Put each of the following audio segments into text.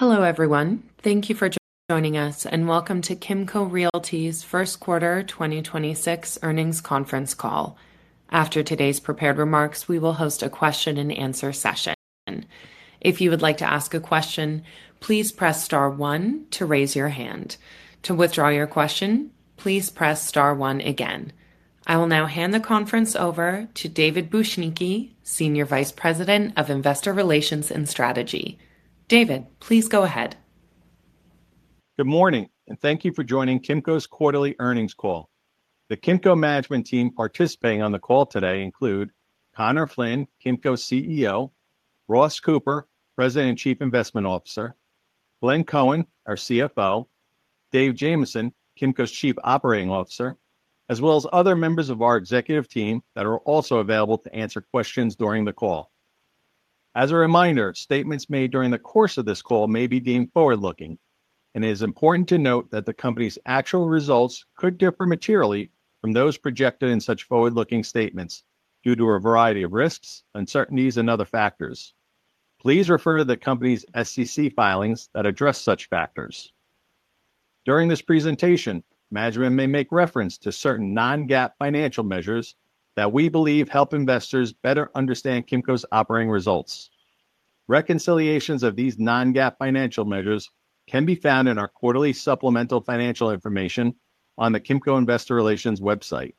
Hello, everyone. Thank you for joining us, and welcome to Kimco Realty's 1st quarter 2026 Earnings Conference Call. After today's prepared remarks, we will host a question and answer session. If you would like to ask a question, please press star one to raise your hand. To withdraw your question, please press star one again. I will now hand the conference over to David Bujnicki, Senior Vice President of Investor Relations and Strategy. David, please go ahead. Good morning, thank you for joining Kimco's quarterly earnings call. The Kimco management team participating on the call today include Conor Flynn, Kimco's CEO, Ross Cooper, President and Chief Investment Officer, Glenn Cohen, our CFO, David Jamieson, Kimco's Chief Operating Officer, as well as other members of our executive team that are also available to answer questions during the call. As a reminder, statements made during the course of this call may be deemed forward-looking, and it is important to note that the company's actual results could differ materially from those projected in such forward-looking statements due to a variety of risks, uncertainties, and other factors. Please refer to the company's SEC filings that address such factors. During this presentation, management may make reference to certain non-GAAP financial measures that we believe help investors better understand Kimco's operating results. Reconciliations of these non-GAAP financial measures can be found in our quarterly supplemental financial information on the Kimco Investor Relations website.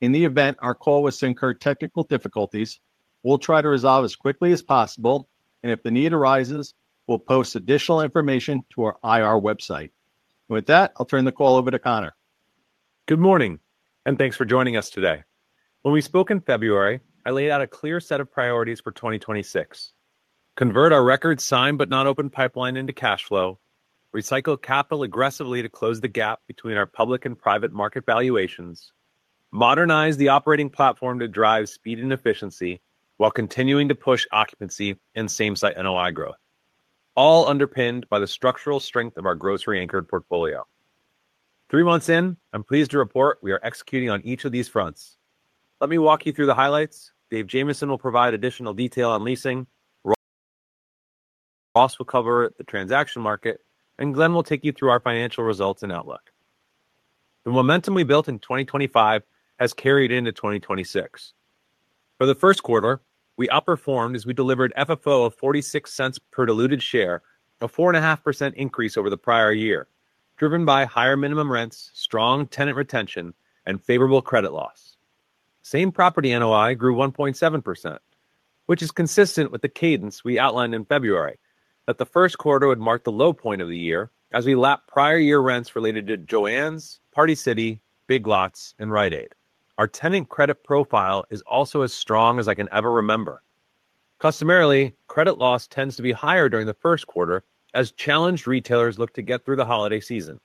In the event our call was to incur technical difficulties, we'll try to resolve as quickly as possible, and if the need arises, we'll post additional information to our IR website. With that, I'll turn the call over to Conor. Good morning, thanks for joining us today. When we spoke in February, I laid out a clear set of priorities for 2026. Convert our record signed, but not open pipeline into cash flow, recycle capital aggressively to close the gap between our public and private market valuations, modernize the operating platform to drive speed and efficiency while continuing to push occupancy and same-site NOI growth, all underpinned by the structural strength of our grocery anchored portfolio. Three months in, I'm pleased to report we are executing on each of these fronts. Let me walk you through the highlights. Dave Jamieson will provide additional detail on leasing. Ross will cover the transaction market, and Glenn will take you through our financial results and outlook. The momentum we built in 2025 has carried into 2026. For the first quarter, we outperformed as we delivered FFO of $0.46 per diluted share, a 4.5% increase over the prior year, driven by higher minimum rents, strong tenant retention, and favorable credit loss. Same property NOI grew 1.7%, which is consistent with the cadence we outlined in February that the first quarter would mark the low point of the year as we lap prior year rents related to Joann's, Party City, Big Lots, and Rite Aid. Our tenant credit profile is also as strong as I can ever remember. Customarily, credit loss tends to be higher during the first quarter as challenged retailers look to get through the holiday season.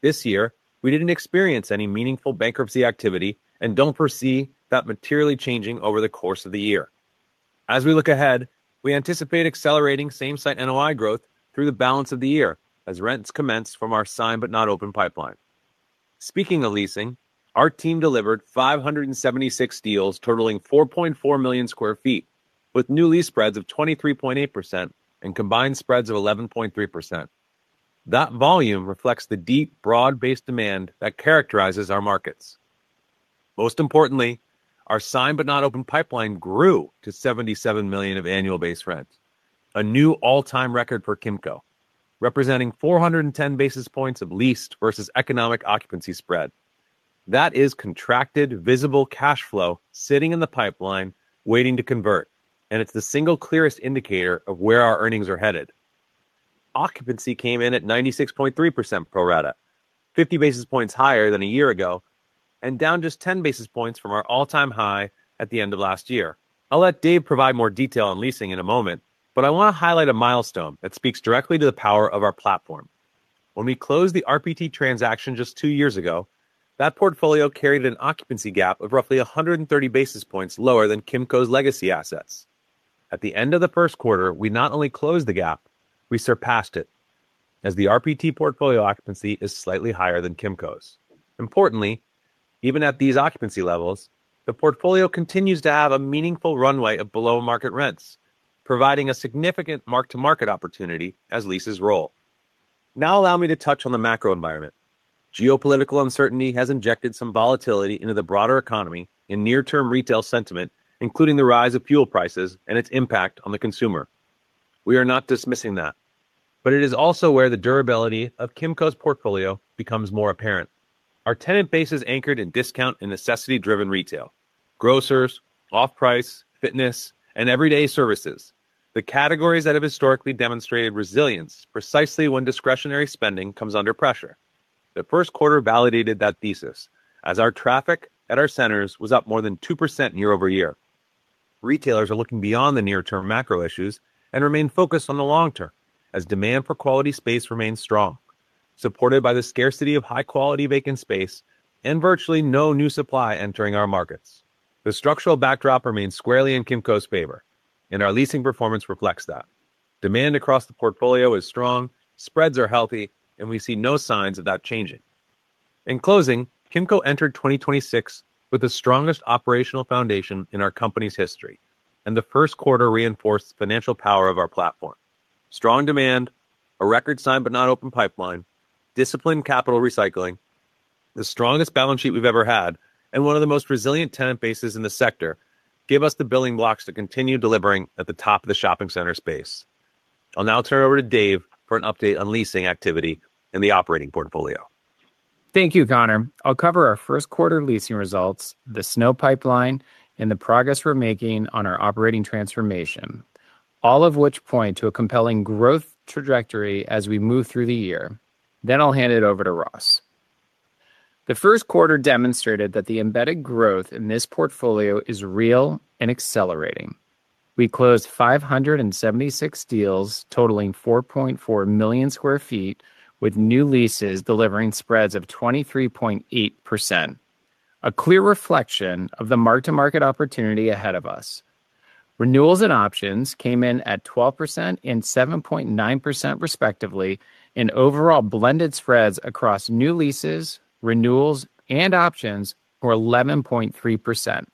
This year, we didn't experience any meaningful bankruptcy activity and don't foresee that materially changing over the course of the year. As we look ahead, we anticipate accelerating same-site NOI growth through the balance of the year as rents commence from our signed but not open pipeline. Speaking of leasing, our team delivered 576 deals totaling 4.4 million sq ft with new lease spreads of 23.8% and combined spreads of 11.3%. That volume reflects the deep, broad-based demand that characterizes our markets. Most importantly, our signed but not open pipeline grew to $77 million of annual base rents, a new all-time record for Kimco, representing 410 basis points of leased versus economic occupancy spread. That is contracted, visible cash flow sitting in the pipeline waiting to convert, and it's the single clearest indicator of where our earnings are headed. Occupancy came in at 96.3% pro rata, 50 basis points higher than a year ago, and down just 10 basis points from our all-time high at the end of last year. I'll let Dave provide more detail on leasing in a moment, but I want to highlight a milestone that speaks directly to the power of our platform. When we closed the RPT transaction just two years ago, that portfolio carried an occupancy gap of roughly 130 basis points lower than Kimco's legacy assets. At the end of the first quarter, we not only closed the gap, we surpassed it as the RPT portfolio occupancy is slightly higher than Kimco's. Importantly, even at these occupancy levels, the portfolio continues to have a meaningful runway of below-market rents, providing a significant mark-to-market opportunity as leases roll. Now allow me to touch on the macro environment. Geopolitical uncertainty has injected some volatility into the broader economy in near term retail sentiment, including the rise of fuel prices and its impact on the consumer. We are not dismissing that, but it is also where the durability of Kimco's portfolio becomes more apparent. Our tenant base is anchored in discount and necessity-driven retail, grocers, off-price, fitness, and everyday services. The categories that have historically demonstrated resilience precisely when discretionary spending comes under pressure. The first quarter validated that thesis as our traffic at our centers was up more than 2% year-over-year. Retailers are looking beyond the near term macro issues and remain focused on the long term as demand for quality space remains strong, supported by the scarcity of high-quality vacant space and virtually no new supply entering our markets. The structural backdrop remains squarely in Kimco's favor, and our leasing performance reflects that. Demand across the portfolio is strong, spreads are healthy, and we see no signs of that changing. In closing, Kimco entered 2026 with the strongest operational foundation in our company's history, and the first quarter reinforced the financial power of our platform. Strong demand, a record signed, but not open pipeline, disciplined capital recycling, the strongest balance sheet we've ever had, and one of the most resilient tenant bases in the sector give us the building blocks to continue delivering at the top of the shopping center space. I'll now turn it over to Dave for an update on leasing activity in the operating portfolio. Thank you, Conor. I'll cover our first quarter leasing results, the SNO pipeline, and the progress we're making on our operating transformation, all of which point to a compelling growth trajectory as we move through the year. I'll hand it over to Ross. The first quarter demonstrated that the embedded growth in this portfolio is real and accelerating. We closed 576 deals totaling 4.4 million sq ft with new leases delivering spreads of 23.8%, a clear reflection of the mark-to-market opportunity ahead of us. Renewals and options came in at 12% and 7.9% respectively, and overall blended spreads across new leases, renewals, and options were 11.3%.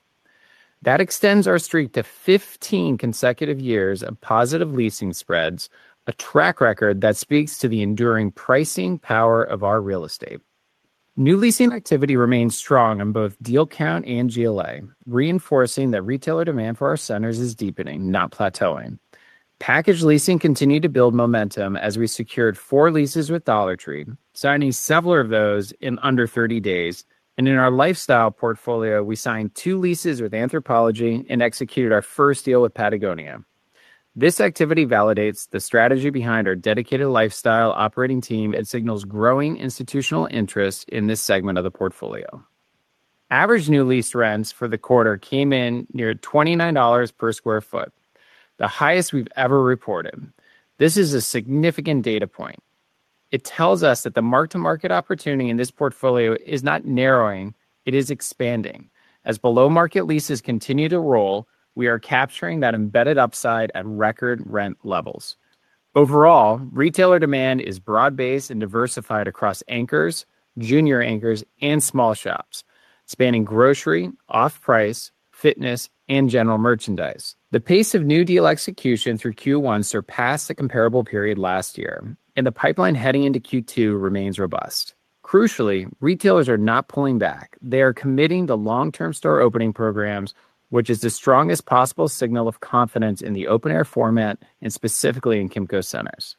That extends our streak to 15 consecutive years of positive leasing spreads, a track record that speaks to the enduring pricing power of our real estate. New leasing activity remains strong on both deal count and GLA, reinforcing that retailer demand for our centers is deepening, not plateauing. Packaged leasing continued to build momentum as we secured four leases with Dollar Tree, signing several of those in under 30 days. In our lifestyle portfolio, we signed two leases with Anthropologie and executed our first deal with Patagonia. This activity validates the strategy behind our dedicated lifestyle operating team and signals growing institutional interest in this segment of the portfolio. Average new lease rents for the quarter came in near $29 per sq ft, the highest we've ever reported. This is a significant data point. It tells us that the mark-to-market opportunity in this portfolio is not narrowing, it is expanding. As below-market leases continue to roll, we are capturing that embedded upside at record rent levels. Overall, retailer demand is broad-based and diversified across anchors, junior anchors, and small shops, spanning grocery, off-price, fitness, and general merchandise. The pace of new deal execution through Q1 surpassed the comparable period last year, and the pipeline heading into Q2 remains robust. Crucially, retailers are not pulling back. They are committing to long-term store opening programs, which is the strongest possible signal of confidence in the open air format and specifically in Kimco centers.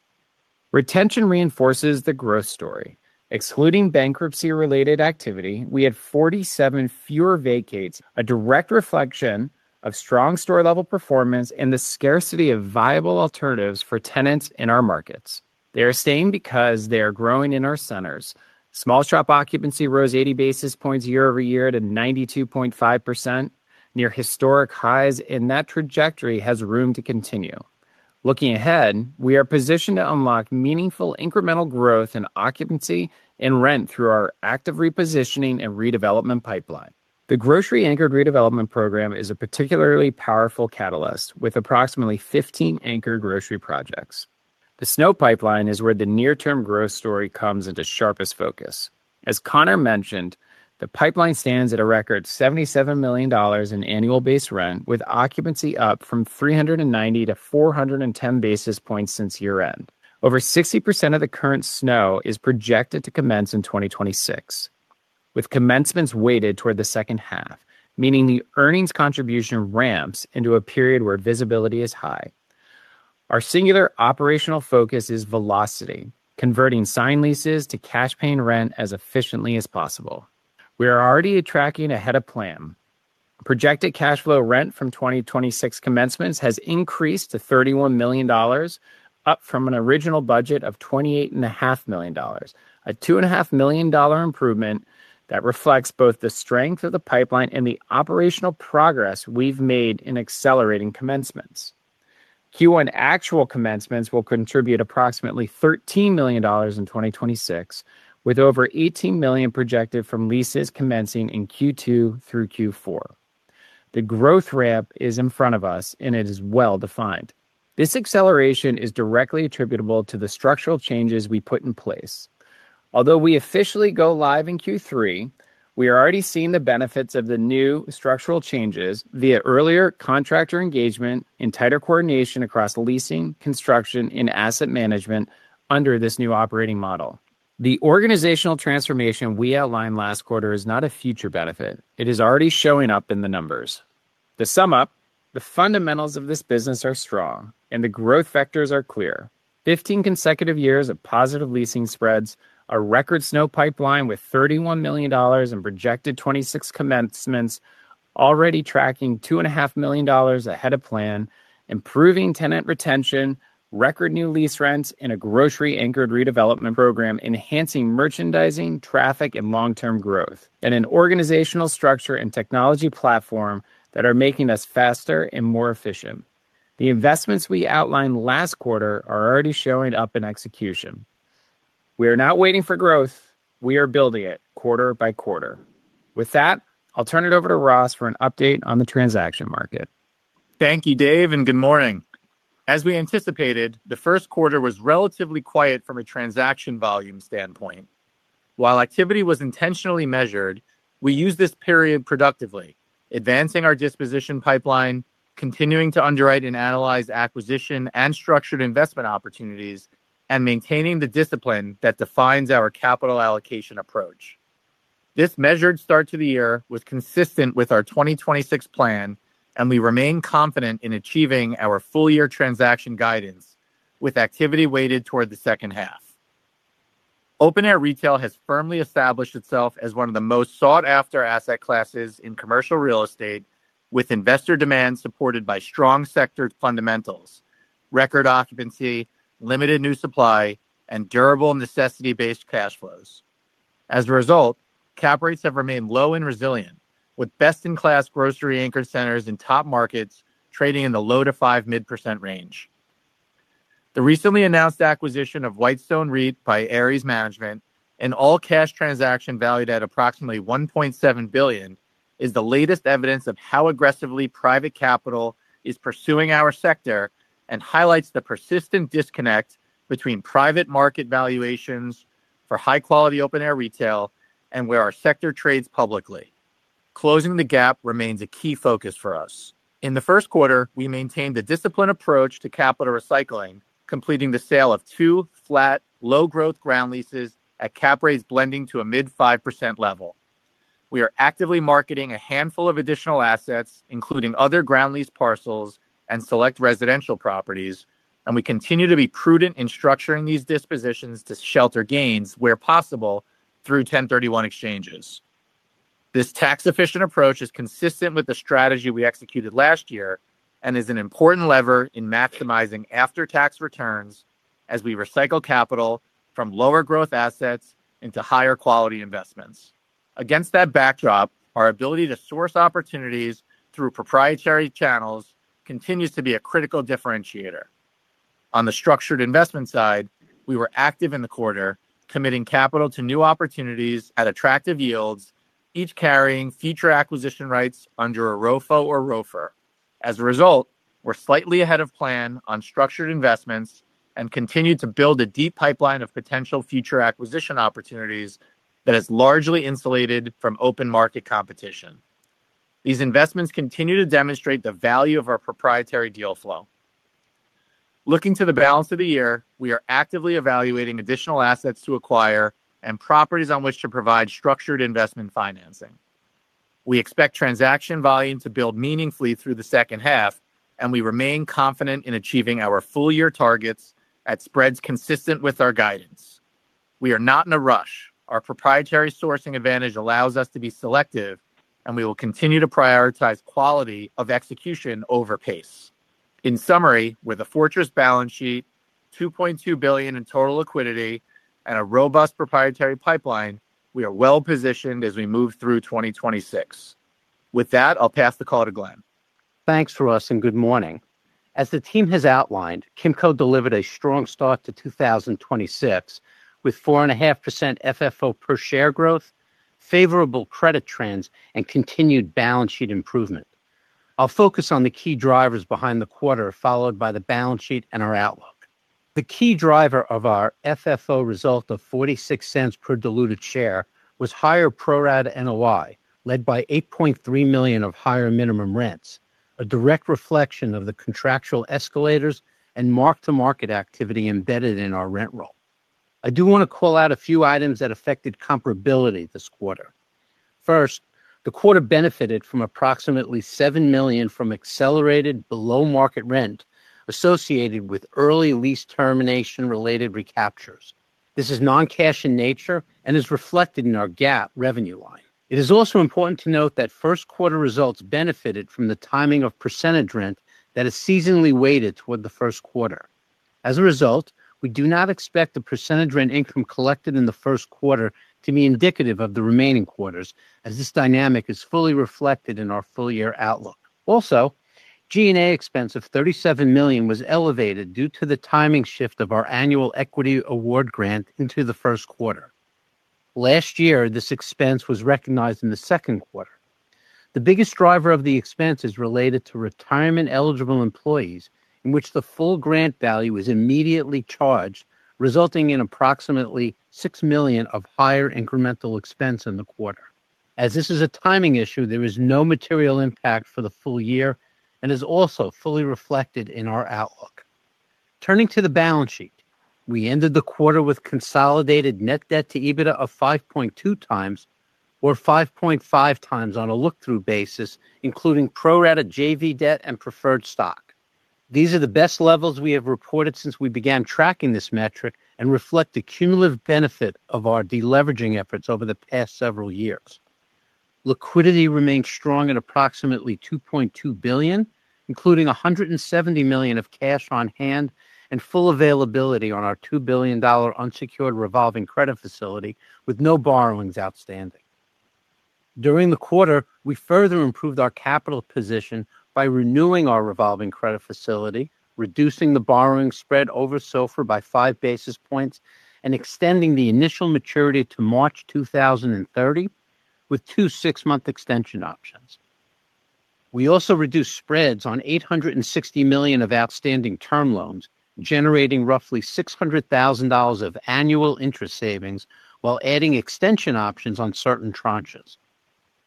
Retention reinforces the growth story. Excluding bankruptcy-related activity, we had 47 fewer vacates, a direct reflection of strong store-level performance and the scarcity of viable alternatives for tenants in our markets. They are staying because they are growing in our centers. Small shop occupancy rose 80 basis points year-over-year to 92.5%, near historic highs, and that trajectory has room to continue. Looking ahead, we are positioned to unlock meaningful incremental growth in occupancy and rent through our active repositioning and redevelopment pipeline. The grocery anchor redevelopment program is a particularly powerful catalyst with approximately 15 anchor grocery projects. The SNO pipeline is where the near-term growth story comes into sharpest focus. As Conor mentioned, the pipeline stands at a record $77 million in annual base rent, with occupancy up from 390-410 basis points since year-end. Over 60% of the current SNO is projected to commence in 2026, with commencements weighted toward the second half, meaning the earnings contribution ramps into a period where visibility is high. Our singular operational focus is velocity, converting signed leases to cash paying rent as efficiently as possible. We are already tracking ahead of plan. Projected cash flow rent from 2026 commencements has increased to $31 million, up from an original budget of $28.5 million, a $2.5 million improvement that reflects both the strength of the pipeline and the operational progress we've made in accelerating commencements. Q1 actual commencements will contribute approximately $13 million in 2026, with over $18 million projected from leases commencing in Q2 through Q4. The growth ramp is in front of us. It is well defined. This acceleration is directly attributable to the structural changes we put in place. Although we officially go live in Q3, we are already seeing the benefits of the new structural changes via earlier contractor engagement and tighter coordination across leasing, construction, and asset management under this new operating model. The organizational transformation we outlined last quarter is not a future benefit. It is already showing up in the numbers. To sum up, the fundamentals of this business are strong, and the growth vectors are clear. 15 consecutive years of positive leasing spreads, a record SNO pipeline with $31 million in projected 2026 commencements already tracking two and a half million dollars ahead of plan, improving tenant retention, record new lease rents in a grocery anchored redevelopment program enhancing merchandising, traffic, and long-term growth, and an organizational structure and technology platform that are making us faster and more efficient. The investments we outlined last quarter are already showing up in execution. We are not waiting for growth. We are building it quarter by quarter. With that, I'll turn it over to Ross for an update on the transaction market. Thank you, Dave, and good morning. As we anticipated, the first quarter was relatively quiet from a transaction volume standpoint. While activity was intentionally measured, we used this period productively, advancing our disposition pipeline, continuing to underwrite and analyze acquisition and structured investment opportunities, and maintaining the discipline that defines our capital allocation approach. This measured start to the year was consistent with our 2026 plan. We remain confident in achieving our full year transaction guidance, with activity weighted toward the second half. Open-air retail has firmly established itself as one of the most sought-after asset classes in commercial real estate, with investor demand supported by strong sector fundamentals, record occupancy, limited new supply, and durable necessity-based cash flows. As a result, cap rates have remained low and resilient, with best-in-class grocery anchor centers in top markets trading in the low to 5 mid percent range. The recently announced acquisition of Whitestone REIT by Ares Management, an all-cash transaction valued at approximately $1.7 billion, is the latest evidence of how aggressively private capital is pursuing our sector and highlights the persistent disconnect between private market valuations for high-quality open-air retail and where our sector trades publicly. Closing the gap remains a key focus for us. In the first quarter, we maintained a disciplined approach to capital recycling, completing the sale of two flat low growth ground leases at cap rates blending to a mid 5% level. We are actively marketing a handful of additional assets, including other ground lease parcels and select residential properties, and we continue to be prudent in structuring these dispositions to shelter gains where possible through 1031 exchanges. This tax-efficient approach is consistent with the strategy we executed last year and is an important lever in maximizing after-tax returns as we recycle capital from lower growth assets into higher quality investments. Against that backdrop, our ability to source opportunities through proprietary channels continues to be a critical differentiator. On the structured investment side, we were active in the quarter, committing capital to new opportunities at attractive yields, each carrying future acquisition rights under a ROFO or ROFR. As a result, we're slightly ahead of plan on structured investments and continue to build a deep pipeline of potential future acquisition opportunities that is largely insulated from open market competition. These investments continue to demonstrate the value of our proprietary deal flow. Looking to the balance of the year, we are actively evaluating additional assets to acquire and properties on which to provide structured investment financing. We expect transaction volume to build meaningfully through the second half, and we remain confident in achieving our full year targets at spreads consistent with our guidance. We are not in a rush. Our proprietary sourcing advantage allows us to be selective, and we will continue to prioritize quality of execution over pace. In summary, with a fortress balance sheet, $2.2 billion in total liquidity, and a robust proprietary pipeline, we are well-positioned as we move through 2026. With that, I'll pass the call to Glenn. Thanks, Ross, good morning. As the team has outlined, Kimco delivered a strong start to 2026, with 4.5% FFO per share growth, favorable credit trends, and continued balance sheet improvement. I'll focus on the key drivers behind the quarter, followed by the balance sheet and our outlook. The key driver of our FFO result of $0.46 per diluted share was higher pro rata NOI, led by $8.3 million of higher minimum rents, a direct reflection of the contractual escalators and mark-to-market activity embedded in our rent roll. I do wanna call out a few items that affected comparability this quarter. First, the quarter benefited from approximately $7 million from accelerated below-market rent associated with early lease termination-related recaptures. This is non-cash in nature and is reflected in our GAAP revenue line. It is also important to note that first quarter results benefited from the timing of percentage rent that is seasonally weighted toward the first quarter. We do not expect the percentage rent income collected in the first quarter to be indicative of the remaining quarters, as this dynamic is fully reflected in our full year outlook. G&A expense of $37 million was elevated due to the timing shift of our annual equity award grant into the first quarter. Last year, this expense was recognized in the second quarter. The biggest driver of the expense is related to retirement-eligible employees in which the full grant value is immediately charged, resulting in approximately $6 million of higher incremental expense in the quarter. As this is a timing issue, there is no material impact for the full year and is also fully reflected in our outlook. Turning to the balance sheet, we ended the quarter with consolidated net debt to EBITDA of 5.2x or 5.5x on a look-through basis, including pro rata JV debt and preferred stock. These are the best levels we have reported since we began tracking this metric and reflect the cumulative benefit of our deleveraging efforts over the past several years. Liquidity remains strong at approximately $2.2 billion, including $170 million of cash on hand and full availability on our $2 billion unsecured revolving credit facility with no borrowings outstanding. During the quarter, we further improved our capital position by renewing our revolving credit facility, reducing the borrowing spread over SOFR by 5 basis points and extending the initial maturity to March 2030 with two six-month extension options. We also reduced spreads on $860 million of outstanding term loans, generating roughly $600,000 of annual interest savings while adding extension options on certain tranches.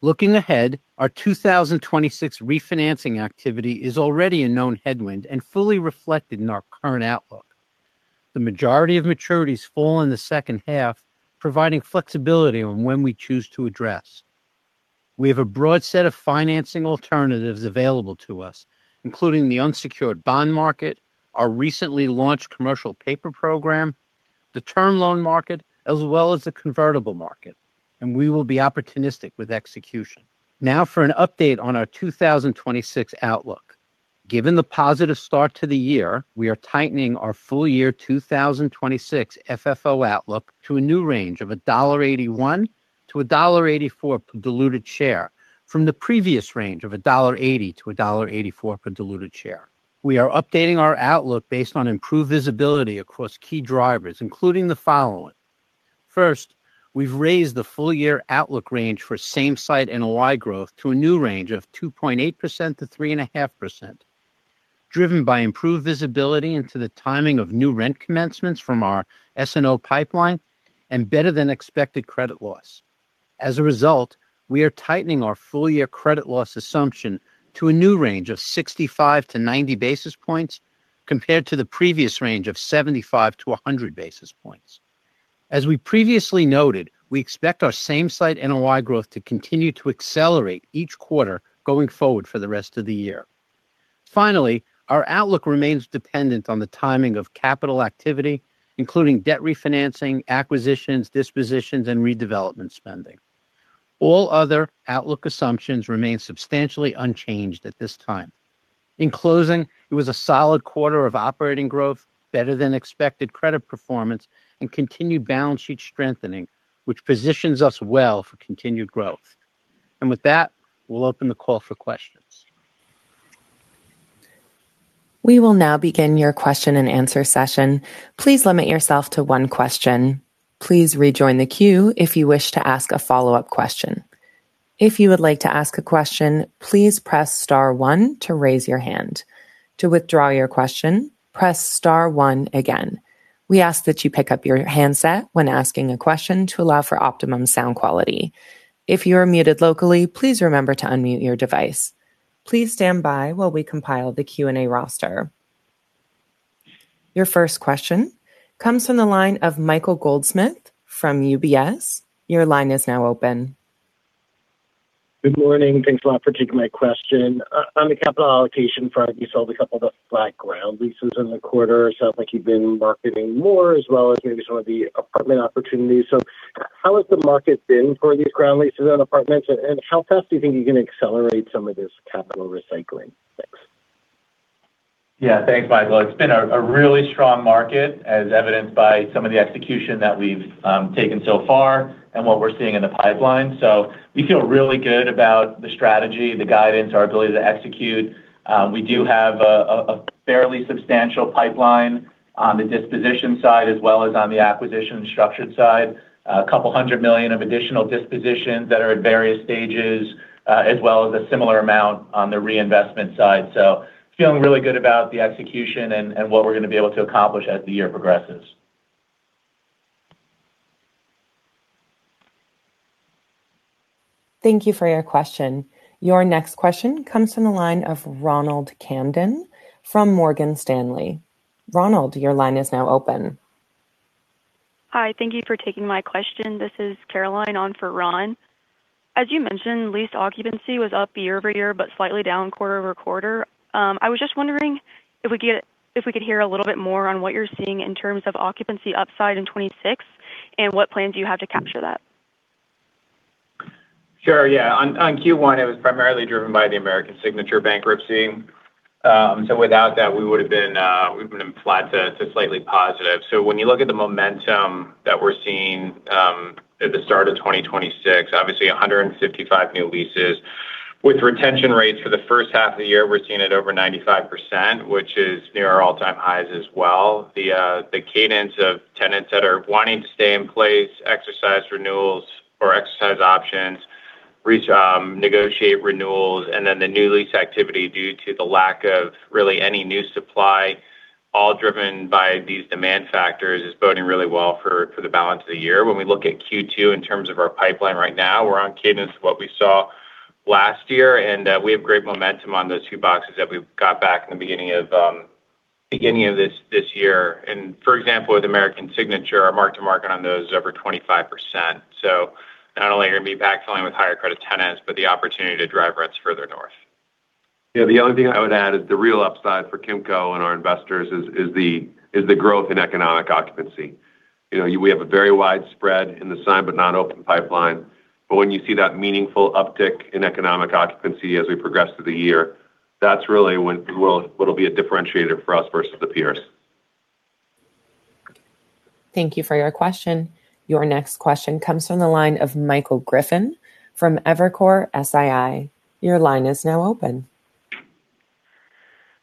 Looking ahead, our 2026 refinancing activity is already a known headwind and fully reflected in our current outlook. The majority of maturities fall in the second half, providing flexibility on when we choose to address. We have a broad set of financing alternatives available to us, including the unsecured bond market, our recently launched commercial paper program, the term loan market, as well as the convertible market, and we will be opportunistic with execution. Now for an update on our 2026 outlook. Given the positive start to the year, we are tightening our full year 2026 FFO outlook to a new range of $1.81-$1.84 per diluted share from the previous range of $1.80-$1.84 per diluted share. We are updating our outlook based on improved visibility across key drivers, including the following. First, we've raised the full year outlook range for same-site NOI growth to a new range of 2.8%-3.5%, driven by improved visibility into the timing of new rent commencements from our SNO pipeline and better than expected credit loss. As a result, we are tightening our full year credit loss assumption to a new range of 65-90 basis points compared to the previous range of 75-100 basis points. As we previously noted, we expect our same-site NOI growth to continue to accelerate each quarter going forward for the rest of the year. Our outlook remains dependent on the timing of capital activity, including debt refinancing, acquisitions, dispositions, and redevelopment spending. All other outlook assumptions remain substantially unchanged at this time. In closing, it was a solid quarter of operating growth, better than expected credit performance and continued balance sheet strengthening, which positions us well for continued growth. With that, we'll open the call for questions. We will now begin your question and answer session. Please limit yourself to 1 question. Please rejoin the queue if you wish to ask a follow-up question. If you would like to ask a question, please press star one to raise your hand. To withdraw your question, press star one again. We ask that you pick up your handset when asking a question to allow for optimum sound quality. If you are muted locally, please remember to unmute your device. Please stand by while we compile the Q&A roster. Your first question comes from the line of Michael Goldsmith from UBS. Your line is now open. Good morning. Thanks a lot for taking my question. On the capital allocation front, you sold a couple of the flat ground leases in the quarter. It sounds like you've been marketing more as well as maybe some of the apartment opportunities. How has the market been for these ground leases and apartments, and how fast do you think you can accelerate some of this capital recycling? Thanks. Yeah. Thanks, Michael. It's been a really strong market as evidenced by some of the execution that we've taken so far and what we're seeing in the pipeline. We feel really good about the strategy, the guidance, our ability to execute. We do have a fairly substantial pipeline on the disposition side as well as on the acquisition structured side. A couple hundred million of additional dispositions that are at various stages, as well as a similar amount on the reinvestment side. Feeling really good about the execution and what we're gonna be able to accomplish as the year progresses. Thank you for your question. Your next question comes from the line of Ronald Kamdem from Morgan Stanley. Ronald, your line is now open. Hi. Thank you for taking my question. This is Caroline on for Ron. As you mentioned, lease occupancy was up year-over-year, but slightly down quarter-over-quarter. I was just wondering if we could hear a little bit more on what you're seeing in terms of occupancy upside in 26, and what plans you have to capture that. Sure, yeah. On Q1, it was primarily driven by the American Signature bankruptcy. Without that, we would've been flat to slightly positive. When you look at the momentum that we're seeing at the start of 2026, obviously 155 new leases. With retention rates for the first half of the year, we're sitting at over 95%, which is near our all-time highs as well. The cadence of tenants that are wanting to stay in place, exercise renewals or exercise options, negotiate renewals, and then the new lease activity due to the lack of really any new supply, all driven by these demand factors is boding really well for the balance of the year. When we look at Q2 in terms of our pipeline right now, we're on cadence to what we saw last year, and we have great momentum on those two boxes that we got back in the beginning of this year. For example, with American Signature, our mark to market on those is over 25%. Not only are we gonna be backfilling with higher credit tenants, but the opportunity to drive rents further north. Yeah. The only thing I would add is the real upside for Kimco and our investors is the growth in economic occupancy. We have a very wide spread in the signed but not open pipeline. When you see that meaningful uptick in economic occupancy as we progress through the year, that's really what'll be a differentiator for us versus the peers. Thank you for your question. Your next question comes from the line of Michael Griffin from Evercore ISI. Your line is now open.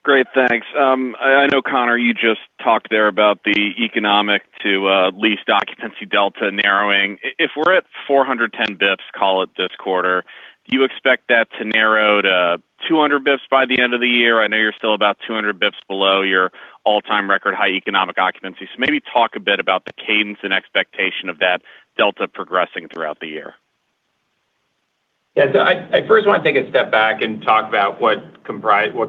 Great. Thanks. I know, Conor, you just talked there about the economic to leased occupancy delta narrowing. If we're at 410 basis points, call it, this quarter, do you expect that to narrow to 200 basis points by the end of the year? I know you're still about 200 basis points below your all-time record high economic occupancy. Maybe talk a bit about the cadence and expectation of that delta progressing throughout the year. Yeah. I first wanna take a step back and talk about what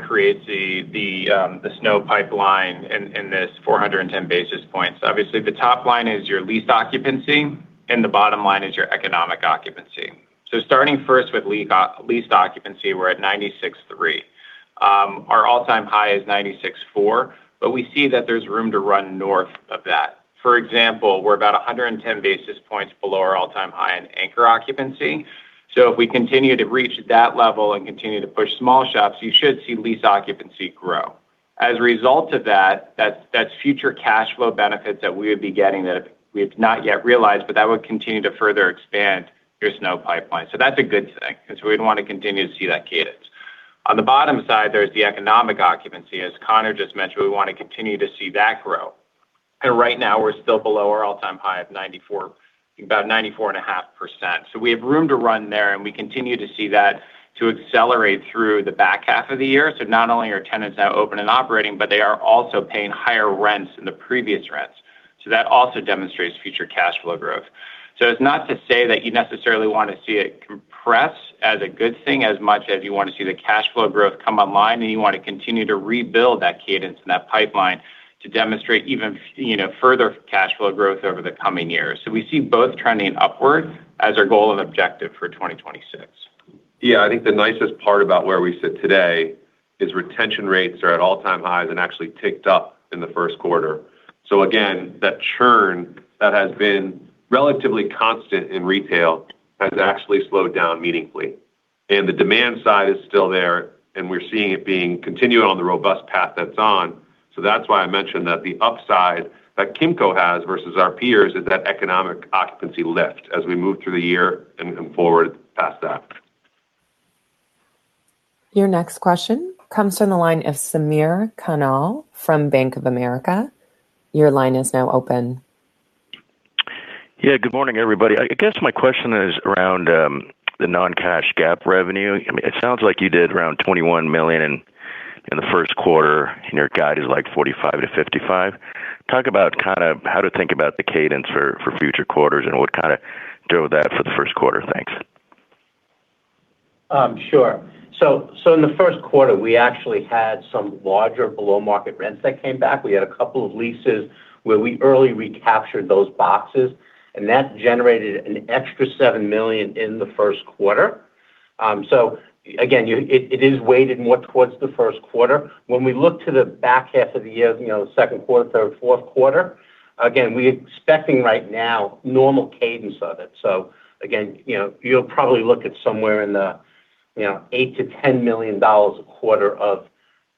creates the SNO pipeline in this 410 basis points. Obviously, the top line is your leased occupancy, and the bottom line is your economic occupancy. Starting first with leased occupancy, we're at 96.3. Our all-time high is 96.4, but we see that there's room to run north of that. For example, we're about 110 basis points below our all-time high in anchor occupancy. If we continue to reach that level and continue to push small shops, you should see leased occupancy grow. As a result of that's future cash flow benefits that we would be getting that we have not yet realized, but that would continue to further expand your SNO pipeline. That's a good thing because we'd want to continue to see that cadence. On the bottom side, there's the economic occupancy. As Conor just mentioned, we want to continue to see that grow. Right now, we're still below our all-time high of about 94.5%. We have room to run there, and we continue to see that to accelerate through the back half of the year. Not only are tenants now open and operating, but they are also paying higher rents than the previous rents. That also demonstrates future cash flow growth. It's not to say that you necessarily want to see it compress as a good thing as much as you want to see the cash flow growth come online, and you want to continue to rebuild that cadence and that pipeline to demonstrate even further cash flow growth over the coming years. We see both trending upward as our goal and objective for 2026. Yeah. I think the nicest part about where we sit today is retention rates are at all-time highs and actually ticked up in the first quarter. Again, that churn that has been relatively constant in retail has actually slowed down meaningfully. The demand side is still there, and we're seeing it being continual on the robust path that it's on. That's why I mentioned that the upside that Kimco has versus our peers is that economic occupancy lift as we move through the year and forward past that. Your next question comes from the line of Samir Khanal from Bank of America. Your line is now open. Yeah. Good morning, everybody. I guess my question is around the non-cash GAAP revenue. I mean, it sounds like you did around $21 million in the first quarter, and your guide is, like, $45 million-$55 million. Talk about kind of how to think about the cadence for future quarters and what kind of drove that for the first quarter. Thanks. Sure. In the first quarter, we actually had some larger below-market rents that came back. We had a couple of leases where we early recaptured those boxes, and that generated an extra $7 million in the first quarter. Again, it is weighted more towards the first quarter. When we look to the back half of the year the second quarter, third, fourth quarter, again, we're expecting right now normal cadence of it. Again, you'll probably look at somewhere in the $8 million-$10 million a quarter of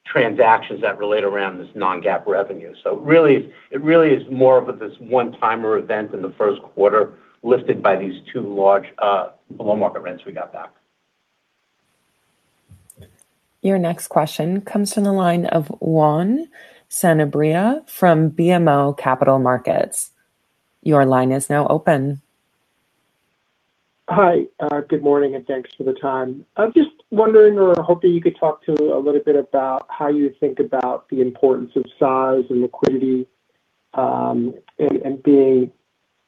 transactions that relate around this non-GAAP revenue. Really, it really is more of this one-timer event in the first quarter lifted by these two large, below-market rents we got back. Your next question comes from the line of Juan Sanabria from BMO Capital Markets. Your line is now open. Hi. Good morning, and thanks for the time. I was just wondering or hoping you could talk to a little bit about how you think about the importance of size and liquidity, and being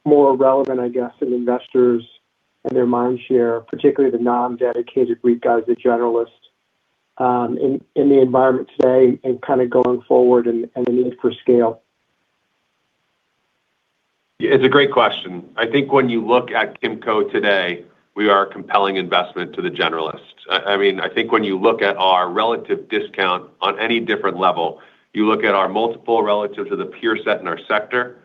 more relevant, I guess, in investors and their mind share, particularly the non-dedicated REIT guys, the generalists, in the environment today and kind of going forward and the need for scale? Yeah. It's a great question. I think when you look at Kimco today, we are a compelling investment to the generalists. I mean, I think when you look at our relative discount on any different level, you look at our multiple relative to the peer set in our sector,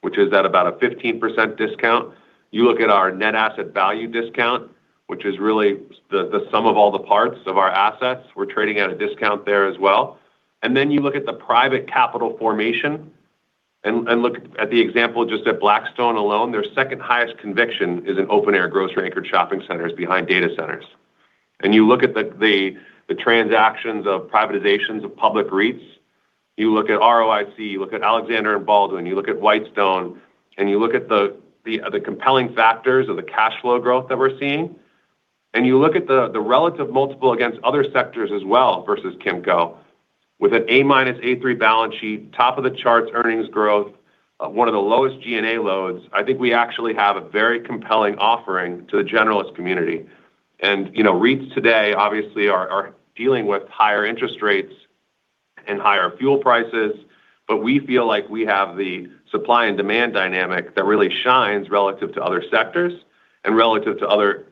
which is at about a 15% discount. You look at our net asset value discount, which is really the sum of all the parts of our assets. We're trading at a discount there as well. You look at the private capital formation and look at the example just at Blackstone alone. Their second highest conviction is in open air grocery anchored shopping centers behind data centers. You look at the transactions of privatizations of public REITs. You look at ROIC, you look at Alexander & Baldwin, you look at Whitestone, you look at the compelling factors of the cash flow growth that we're seeing. You look at the relative multiple against other sectors as well versus Kimco with an A- A3 balance sheet, top of the charts earnings growth, one of the lowest G&A loads. I think we actually have a very compelling offering to the generalist community. REITs today obviously are dealing with higher interest rates and higher fuel prices, but we feel like we have the supply and demand dynamic that really shines relative to other sectors and relative to other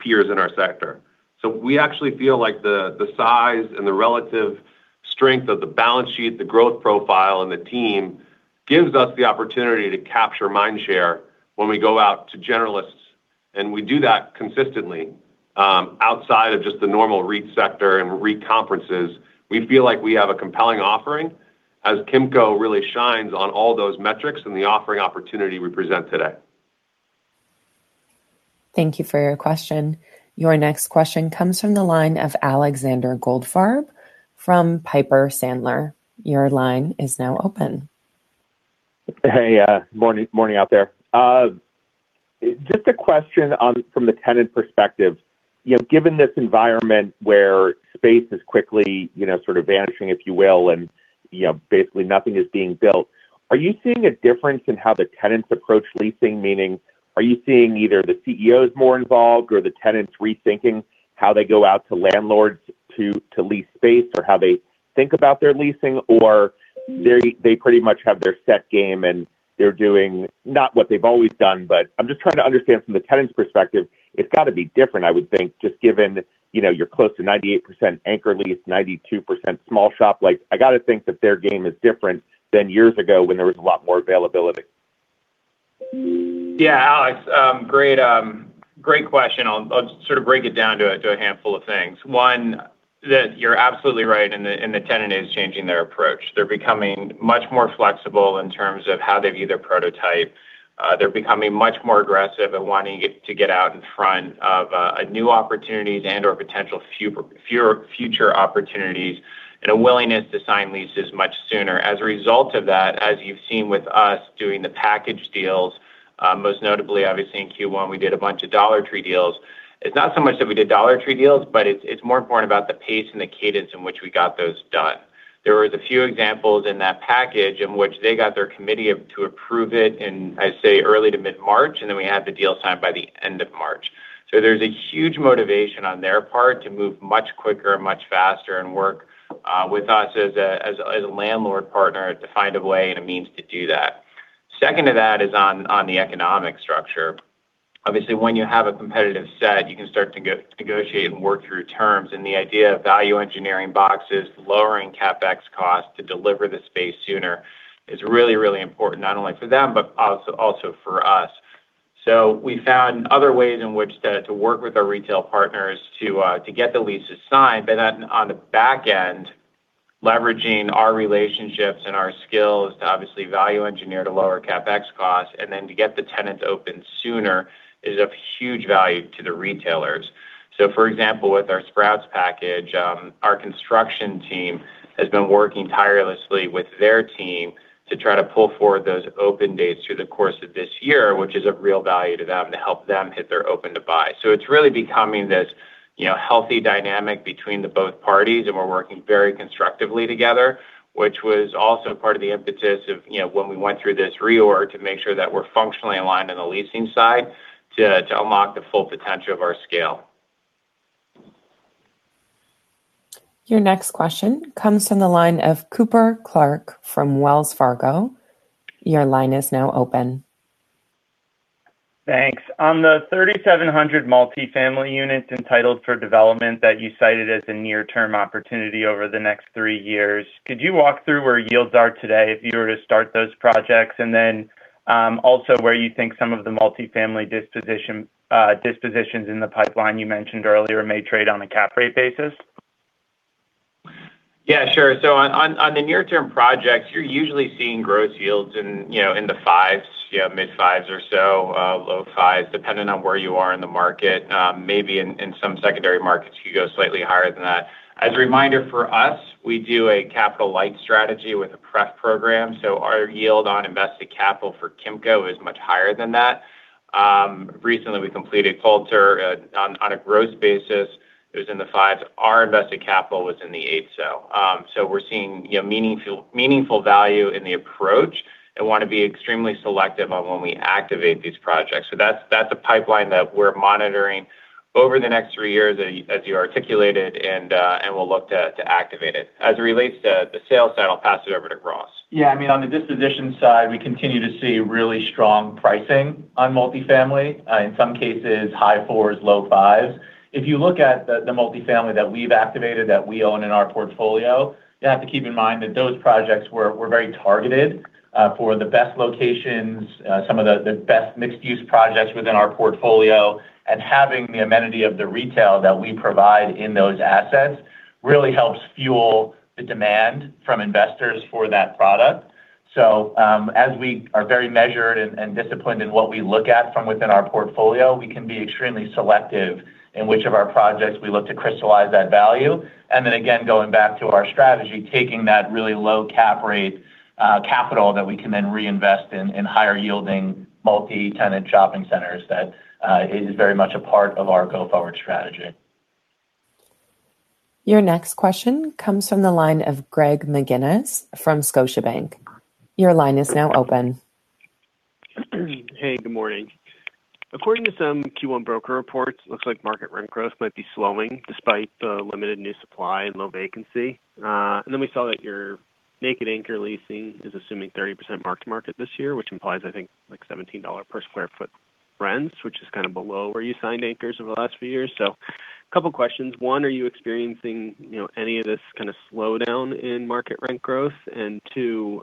peers in our sector. We actually feel like the size and the relative strength of the balance sheet, the growth profile, and the team gives us the opportunity to capture mind share when we go out to generalists, and we do that consistently. Outside of just the normal REIT sector and REIT conferences, we feel like we have a compelling offering as Kimco really shines on all those metrics and the offering opportunity we present today. Thank you for your question. Your next question comes from the line of Alexander Goldfarb from Piper Sandler. Your line is now open. Hey, morning out there. Just a question from the tenant perspective. Given this environment where space is quickly sort of vanishing, if you will, and, basically nothing is being built, are you seeing a difference in how the tenants approach leasing? Meaning, are you seeing either the CEOs more involved, or the tenants rethinking how they go out to landlords to lease space or how they think about their leasing? Or they pretty much have their set game and they're doing not what they've always done. I'm just trying to understand from the tenant's perspective, it's got to be different, I would think, just given, you're close to 98% anchor lease, 92% small shop. Like, I got to think that their game is different than years ago when there was a lot more availability. Yeah, Alex, great question. I'll sort of break it down to a handful of things. One, that you're absolutely right and the tenant is changing their approach. They're becoming much more flexible in terms of how they view their prototype. They're becoming much more aggressive in wanting it to get out in front of new opportunities and/or potential future opportunities and a willingness to sign leases much sooner. As a result of that, as you've seen with us doing the package deals, most notably, obviously in Q1, we did a bunch of Dollar Tree deals. It's not so much that we did Dollar Tree deals, but it's more important about the pace and the cadence in which we got those done. There was a few examples in that package in which they got their committee to approve it in, I'd say, early to mid-March, and then we had the deal signed by the end of March. There's a huge motivation on their part to move much quicker and much faster and work with us as a, as a, as a landlord partner to find a way and a means to do that. Second to that is on the economic structure. Obviously, when you have a competitive set, you can start to negotiate and work through terms, and the idea of value engineering boxes, lowering CapEx costs to deliver the space sooner is really, really important, not only for them, but also for us. We found other ways in which to work with our retail partners to get the leases signed, but then on the back end, leveraging our relationships and our skills to obviously value engineer to lower CapEx costs and then to get the tenants open sooner is of huge value to the retailers. For example, with our Sprouts package, our construction team has been working tirelessly with their team to try to pull forward those open dates through the course of this year, which is of real value to them to help them hit their open to buy. It's really becoming this, healthy dynamic between the both parties, and we're working very constructively together, which was also part of the impetus of, when we went through this reorg to make sure that we're functionally aligned on the leasing side to unlock the full potential of our scale. Your next question comes from the line of Cooper Clark from Wells Fargo. Thanks. On the 3,700 multifamily units entitled for development that you cited as a near-term opportunity over the next three years, could you walk through where yields are today if you were to start those projects? Then, also where you think some of the multifamily dispositions in the pipeline you mentioned earlier may trade on a cap rate basis. Yeah, sure. On the near-term projects, you're usually seeing gross yields in in the fives, mid-fives or so, low fives, depending on where you are in the market. Maybe in some secondary markets, you go slightly higher than that. As a reminder for us, we do a capital-light strategy with a prep program, our yield on invested capital for Kimco is much higher than that. Recently we completed Coulter on a gross basis. It was in the fives. Our invested capital was in the eights, we're seeing meaningful value in the approach and want to be extremely selective on when we activate these projects. That's a pipeline that we're monitoring over the next three years, as you articulated, and we'll look to activate it. As it relates to the sales side, I'll pass it over to Ross. I mean, on the disposition side, we continue to see really strong pricing on multifamily, in some cases, high fours, low fives. If you look at the multifamily that we've activated that we own in our portfolio, you have to keep in mind that those projects were very targeted for the best locations, some of the best mixed-use projects within our portfolio. Having the amenity of the retail that we provide in those assets really helps fuel the demand from investors for that product. As we are very measured and disciplined in what we look at from within our portfolio, we can be extremely selective in which of our projects we look to crystallize that value. Going back to our strategy, taking that really low cap rate capital that we can then reinvest in higher-yielding multi-tenant shopping centers that is very much a part of our go-forward strategy. Your next question comes from the line of Greg McGinniss from Scotiabank. Your line is now open. Hey, good morning. According to some Q1 broker reports, looks like market rent growth might be slowing despite the limited new supply and low vacancy. We saw that your naked anchor leasing is assuming 30% mark to market this year, which implies, I think, like $17 per sq ft rents, which is kind of below where you signed anchors over the last few years. A couple questions. One, are you experiencing any of this kind of slowdown in market rent growth? Two,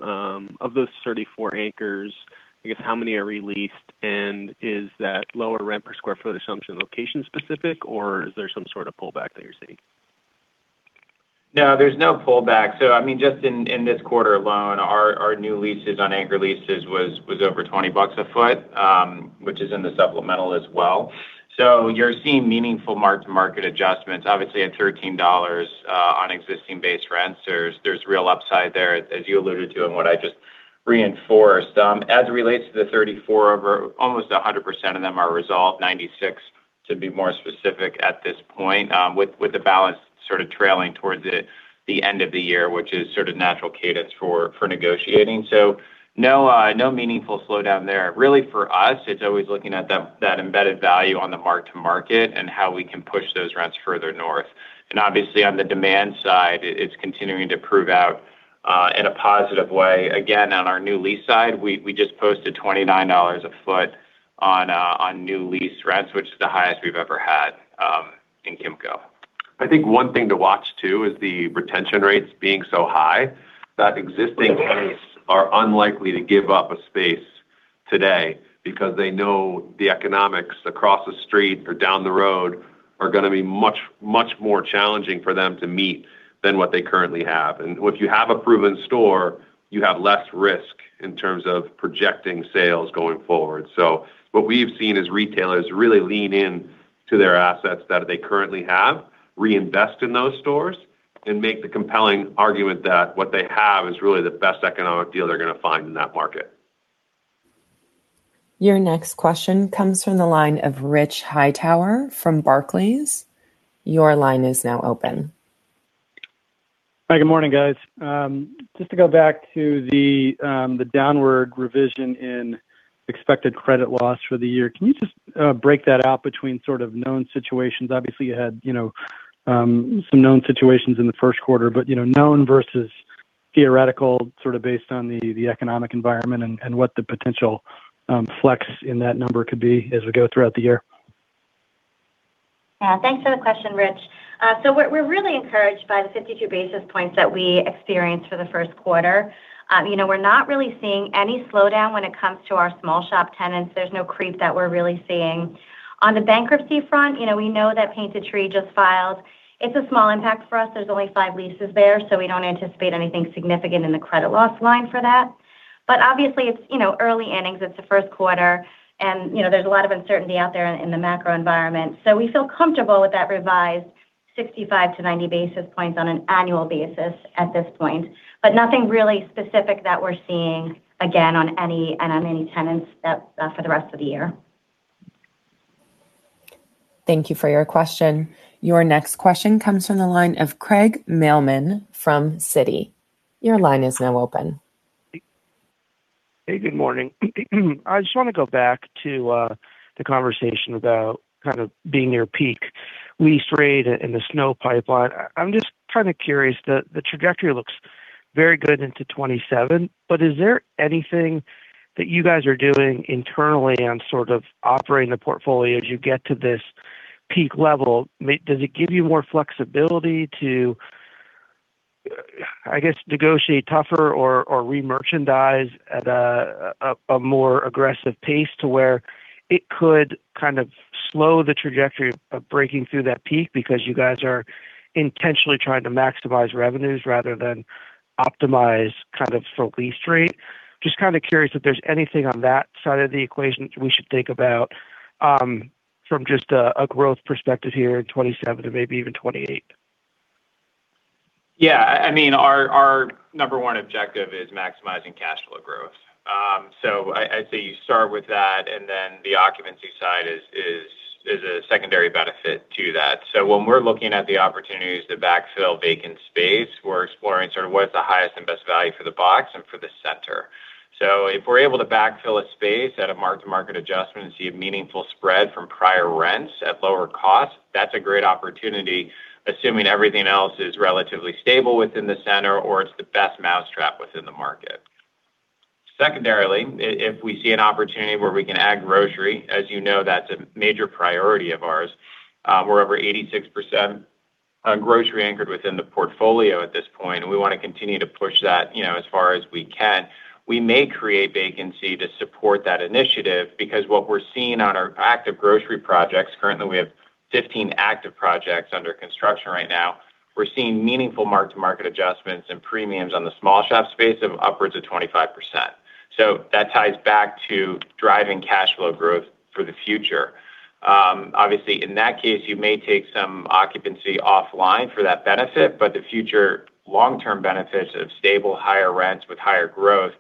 of those 34 anchors, I guess how many are re-leased, and is that lower rent per square foot assumption location specific, or is there some sort of pullback that you're seeing? No, there's no pullback. I mean, just in this quarter alone, our new leases on anchor leases was over $20 a foot, which is in the supplemental as well. You're seeing meaningful mark-to-market adjustments obviously at $13 on existing base rents. There's real upside there, as you alluded to and what I just reinforced. As it relates to the 34 over, almost 100% of them are resolved, 96 to be more specific at this point, with the balance sort of trailing towards the end of the year, which is sort of natural cadence for negotiating. No, no meaningful slowdown there. Really for us, it's always looking at that embedded value on the mark-to-market and how we can push those rents further north. Obviously on the demand side, it's continuing to prove out in a positive way. Again, on our new lease side, we just posted $29 a foot on new lease rents, which is the highest we've ever had in Kimco. I think one thing to watch too is the retention rates being so high that existing tenants are unlikely to give up a space today because they know the economics across the street or down the road are gonna be much, much more challenging for them to meet than what they currently have. If you have a proven store, you have less risk in terms of projecting sales going forward. What we've seen is retailers really lean into their assets that they currently have, reinvest in those stores, and make the compelling argument that what they have is really the best economic deal they're gonna find in that market. Your next question comes from the line of Rich Hightower from Barclays. Your line is now open. Hi, good morning, guys. Just to go back to the downward revision in expected credit loss for the year. Can you just break that out between sort of known situations? Obviously, you had some known situations in the first quarter, but, known versus theoretical, sort of based on the economic environment and what the potential flex in that number could be as we go throughout the year. Yeah. Thanks for the question, Rich. We're really encouraged by the 52 basis points that we experienced for the first quarter. We're not really seeing any slowdown when it comes to our small shop tenants. There's no creep that we're really seeing. On the bankruptcy front we know that Painted Tree just filed. It's a small impact for us. There's only five leases there. We don't anticipate anything significant in the credit loss line for that. Obviously, it's early innings, it's the first quarter, and there's a lot of uncertainty out there in the macro environment. We feel comfortable with that revised 65-90 basis points on an annual basis at this point. Nothing really specific that we're seeing again on any tenants that for the rest of the year. Thank you for your question. Your next question comes from the line of Craig Mailman from Citi. Your line is now open. Hey, good morning. I just wanna go back to the conversation about kind of being near peak lease rate in the SNO pipeline. I'm just kind of curious. The trajectory looks very good into 2027. Is there anything that you guys are doing internally on sort of operating the portfolio as you get to this peak level? Does it give you more flexibility to, I guess, negotiate tougher or re-merchandise at a more aggressive pace to where it could kind of slow the trajectory of breaking through that peak because you guys are intentionally trying to maximize revenues rather than optimize kind of for lease rate? Just kind of curious if there's anything on that side of the equation we should think about from just a growth perspective here in 2027 and maybe even 2028. Yeah. I mean, our number one objective is maximizing cash flow growth. I'd say you start with that, and then the occupancy side is a secondary benefit to that. When we're looking at the opportunities to backfill vacant space, we're exploring sort of what is the highest and best value for the box and for the center. If we're able to backfill a space at a mark-to-market adjustment and see a meaningful spread from prior rents at lower cost, that's a great opportunity, assuming everything else is relatively stable within the center or it's the best mousetrap within the market. Secondarily, if we see an opportunity where we can add grocery that's a major priority of ours. We're over 86% grocery anchored within the portfolio at this point, and we wanna continue to push that, as far as we can. We may create vacancy to support that initiative because what we're seeing on our active grocery projects, currently we have 15 active projects under construction right now. We're seeing meaningful mark-to-market adjustments and premiums on the small shop space of upwards of 25%. That ties back to driving cash flow growth for the future. Obviously in that case, you may take some occupancy offline for that benefit, the future long-term benefits of stable higher rents with higher growth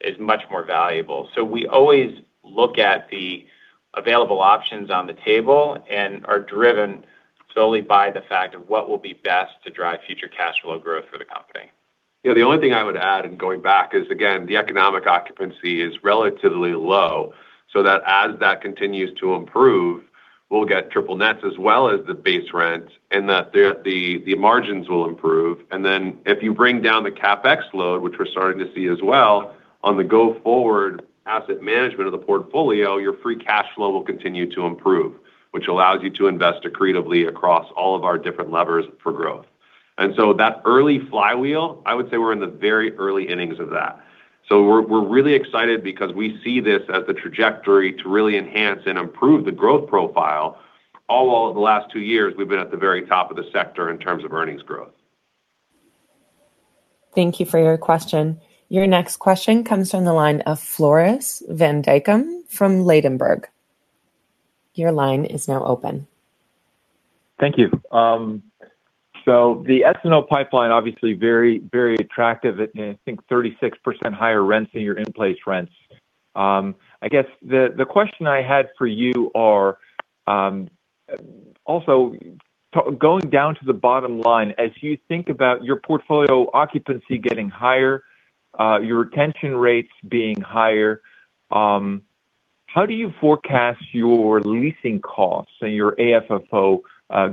is much more valuable. We always look at the available options on the table and are driven solely by the fact of what will be best to drive future cash flow growth for the company. Yeah, the only thing I would add in going back is, again, the economic occupancy is relatively low, so that as that continues to improve, we'll get triple nets as well as the base rent, and the margins will improve. If you bring down the CapEx load, which we're starting to see as well, on the go forward asset management of the portfolio, your free cash flow will continue to improve, which allows you to invest accretively across all of our different levers for growth. That early flywheel, I would say we're in the very early innings of that. So we're really excited because we see this as the trajectory to really enhance and improve the growth profile, all while the last two years we've been at the very top of the sector in terms of earnings growth. Thank you for your question. Your next question comes from the line of Floris van Dijkum from Ladenburg. Your line is now open. Thank you. The SNO pipeline obviously very, very attractive at, I think 36% higher rents than your in-place rents. I guess the question I had for you are, also going down to the bottom line, as you think about your portfolio occupancy getting higher, your retention rates being higher, how do you forecast your leasing costs and your AFFO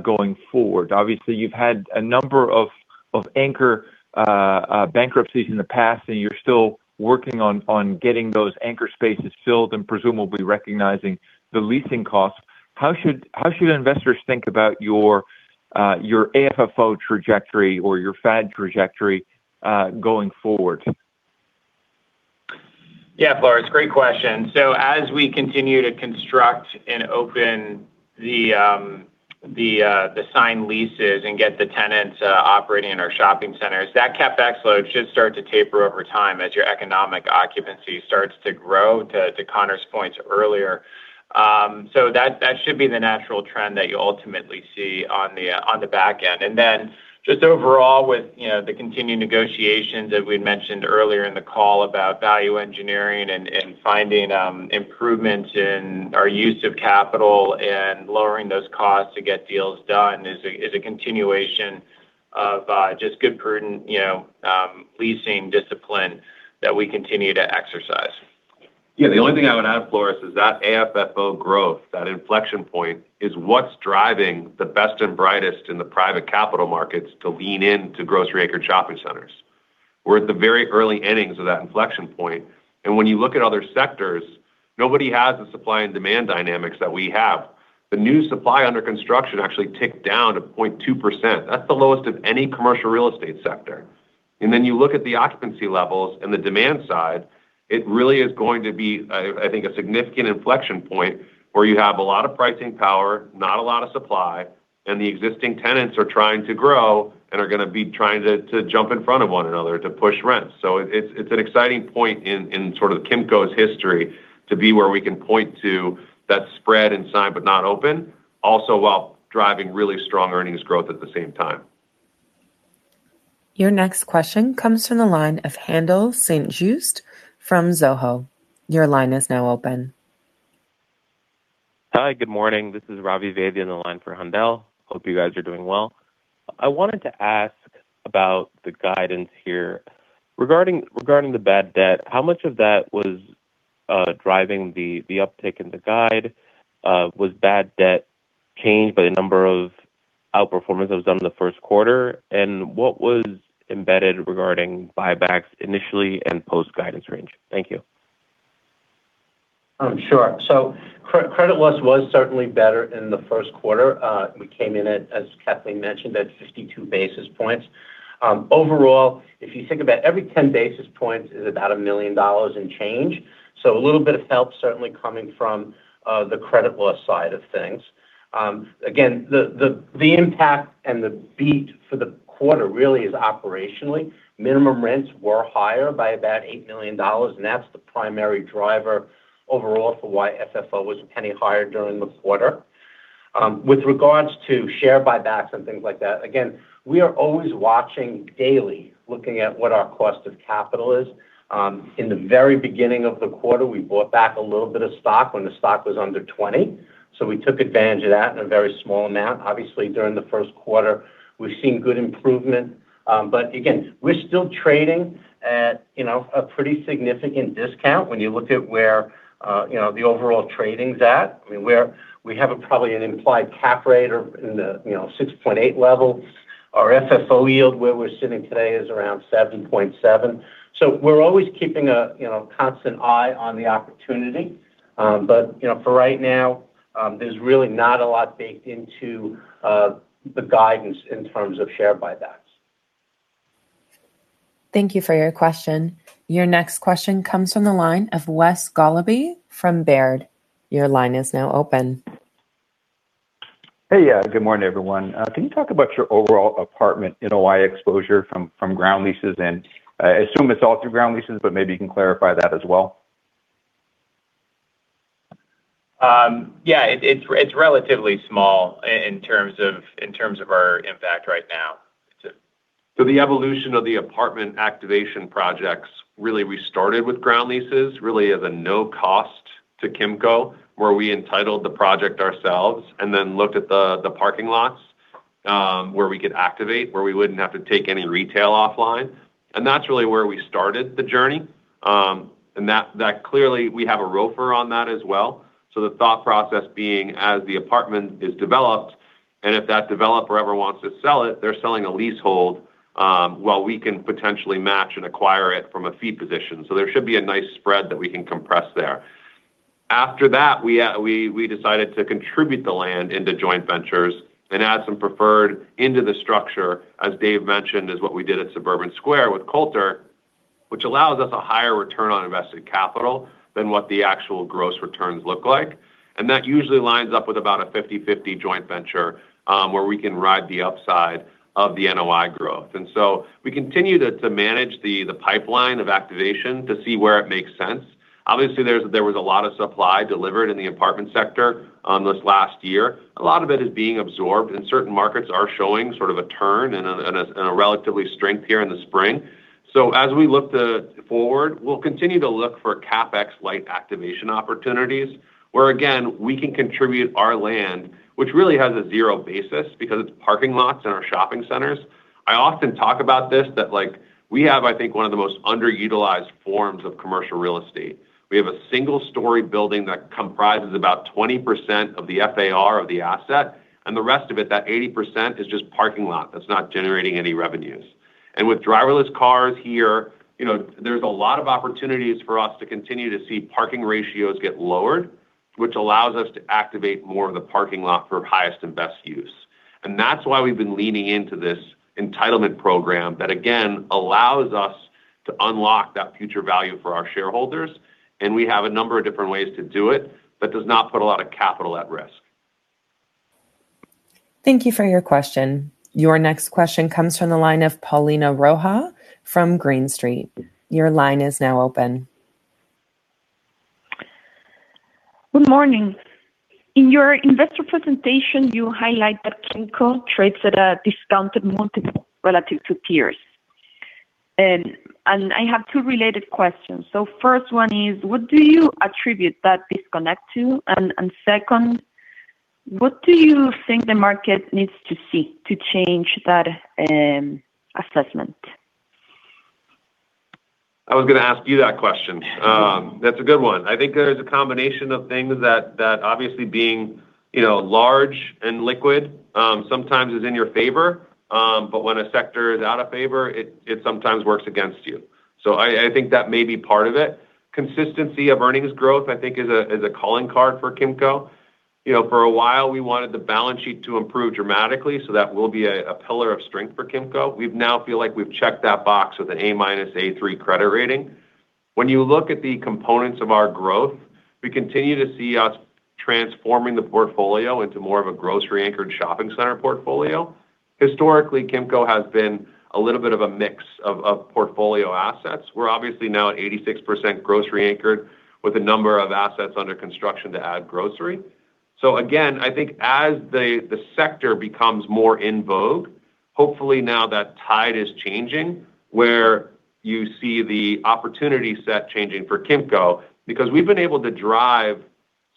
going forward? Obviously, you've had a number of anchor bankruptcies in the past, and you're still working on getting those anchor spaces filled and presumably recognizing the leasing costs. How should investors think about your AFFO trajectory or your FAD trajectory going forward? Yeah, Floris, great question. As we continue to construct and open the signed leases and get the tenants operating in our shopping centers, that CapEx load should start to taper over time as your economic occupancy starts to grow, to Conor's points earlier. That should be the natural trend that you ultimately see on the back end. Just overall with the continued negotiations that we mentioned earlier in the call about value engineering and finding improvements in our use of capital and lowering those costs to get deals done is a continuation of just good prudent leasing discipline that we continue to exercise. The only thing I would add, Floris, is that AFFO growth, that inflection point, is what's driving the best and brightest in the private capital markets to lean into grocery-anchored shopping centers. We're at the very early innings of that inflection point. When you look at other sectors, nobody has the supply and demand dynamics that we have. The new supply under construction actually ticked down to 0.2%. That's the lowest of any commercial real estate sector. Then you look at the occupancy levels and the demand side, it really is going to be a, I think, a significant inflection point where you have a lot of pricing power, not a lot of supply, and the existing tenants are trying to grow and are gonna be trying to jump in front of one another to push rents. It's an exciting point in sort of Kimco's history to be where we can point to that spread in sign but not open, also while driving really strong earnings growth at the same time. Your next question comes from the line of Haendel St. Juste from Mizuho. Your line is now open. Hi, good morning. This is Ravi Vaidya on the line for Haendel. Hope you guys are doing well. I wanted to ask about the guidance here. Regarding the bad debt, how much of that was driving the uptick in the guide? Was bad debt changed by the number of outperformance that was done in the first quarter? What was embedded regarding buybacks initially and post-guidance range? Thank you. Sure. Credit loss was certainly better in the first quarter. We came in at, as Kathleen mentioned, at 52 basis points. Overall, if you think about every 10 basis points is about $1 million in change. A little bit of help certainly coming from the credit loss side of things. Again, the impact and the beat for the quarter really is operationally. Minimum rents were higher by about $8 million, and that's the primary driver overall for why FFO was $0.01 higher during the quarter. With regards to share buybacks and things like that, again, we are always watching daily, looking at what our cost of capital is. In the very beginning of the quarter, we bought back a little bit of stock when the stock was under $20. We took advantage of that in a very small amount. Obviously, during the first quarter, we've seen good improvement. Again, we're still trading at a pretty significant discount when you look at where the overall trading's at. I mean, we have a probably an implied cap rate or in the 6.8% level. Our FFO yield, where we're sitting today is around 7.7%. We're always keeping a constant eye on the opportunity. For right now there's really not a lot baked into the guidance in terms of share buybacks. Thank you for your question. Your next question comes from the line of Wes Golladay from Baird. Your line is now open. Hey, good morning, everyone. Can you talk about your overall apartment NOI exposure from ground leases? I assume it's all through ground leases, but maybe you can clarify that as well. Yeah, it's relatively small in terms of our impact right now. The evolution of the apartment activation projects really restarted with ground leases, really as a no cost to Kimco, where we entitled the project ourselves and then looked at the parking lots, where we could activate, where we wouldn't have to take any retail offline. That clearly we have a ROFR on that as well. The thought process being as the apartment is developed, and if that developer ever wants to sell it, they're selling a leasehold, while we can potentially match and acquire it from a fee position. There should be a nice spread that we can compress there. After that, we decided to contribute the land into joint ventures and add some preferred into the structure, as David Jamieson mentioned, is what we did at Suburban Square with Coulter, which allows us a higher return on invested capital than what the actual gross returns look like. That usually lines up with about a 50-50 joint venture, where we can ride the upside of the NOI growth. We continue to manage the pipeline of activation to see where it makes sense. Obviously, there was a lot of supply delivered in the apartment sector on this last year. A lot of it is being absorbed, and certain markets are showing sort of a turn and a relatively strength here in the spring. As we look forward, we'll continue to look for CapEx-light activation opportunities where, again, we can contribute our land, which really has a 0 basis because it's parking lots in our shopping centers. I often talk about this, that, like, we have, I think, one of the most underutilized forms of commercial real estate. We have a single-story building that comprises about 20% of the FAR of the asset, and the rest of it, that 80%, is just parking lot. That's not generating any revenues. With driverless cars here there's a lot of opportunities for us to continue to see parking ratios get lowered, which allows us to activate more of the parking lot for highest and best use. That's why we've been leaning into this entitlement program that, again, allows us to unlock that future value for our shareholders. We have a number of different ways to do it, but does not put a lot of capital at risk. Thank you for your question. Your next question comes from the line of Paulina Rojas from Green Street. Your line is now open. Good morning. In your investor presentation, you highlight that Kimco trades at a discounted multiple relative to peers. I have two related questions. First one is, what do you attribute that disconnect to? Second, what do you think the market needs to see to change that assessment? I was gonna ask you that question. That's a good one. I think there's a combination of things that obviously being large and liquid, sometimes is in your favor. But when a sector is out of favor, it sometimes works against you. I think that may be part of it. Consistency of earnings growth, I think, is a calling card for Kimco. For a while, we wanted the balance sheet to improve dramatically, so that will be a pillar of strength for Kimco. We now feel like we've checked that box with an A- A3 credit rating. When you look at the components of our growth, we continue to see us transforming the portfolio into more of a grocery-anchored shopping center portfolio. Historically, Kimco has been a little bit of a mix of portfolio assets. We're obviously now at 86% grocery anchored with a number of assets under construction to add grocery. Again, I think as the sector becomes more in vogue, hopefully now that tide is changing, where you see the opportunity set changing for Kimco because we've been able to drive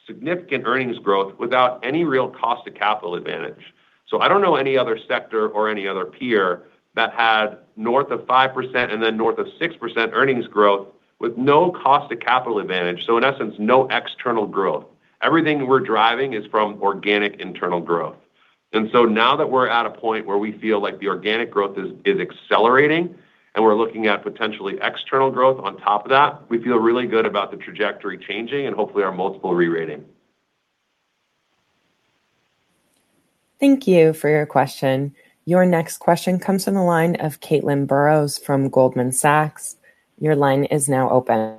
significant earnings growth without any real cost of capital advantage. I don't know any other sector or any other peer that had north of 5% and then north of 6% earnings growth with no cost of capital advantage. In essence, no external growth. Everything we're driving is from organic internal growth. Now that we're at a point where we feel like the organic growth is accelerating, and we're looking at potentially external growth on top of that, we feel really good about the trajectory changing and hopefully our multiple re-rating. Thank you for your question. Your next question comes from the line of Caitlin Burrows from Goldman Sachs. Your line is now open.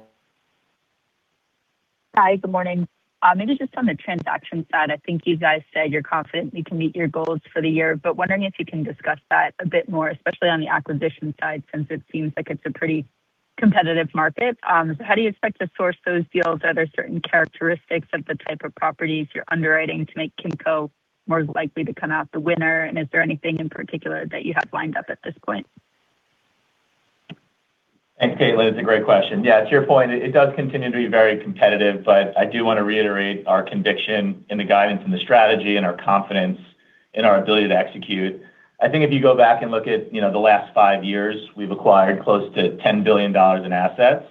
Hi. Good morning. Maybe just on the transaction side, I think you guys said you're confident you can meet your goals for the year, but wondering if you can discuss that a bit more, especially on the acquisition side, since it seems like it's a pretty competitive market. How do you expect to source those deals? Are there certain characteristics of the type of properties you're underwriting to make Kimco more likely to come out the winner? Is there anything in particular that you have lined up at this point? Thanks, Caitlin. It's a great question. Yeah, to your point, it does continue to be very competitive, but I do wanna reiterate our conviction in the guidance and the strategy and our confidence in our ability to execute. I think if you go back and look at the last five years, we've acquired close to $10 billion in assets.